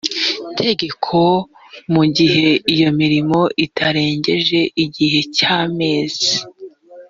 tegeko mu gihe iyo mirimo itarengeje igihe cy amezi